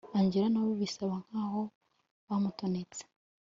angella nawe bisa nkaho bamutonetse